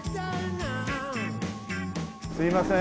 すいません。